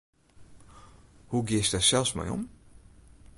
Hoe giest dêr sels mei om?